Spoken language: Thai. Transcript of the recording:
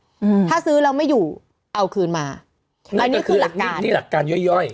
อืมถ้าซื้อแล้วไม่อยู่เอาคืนมาอันนี้คือหลักการนี่หลักการย่อยย่อย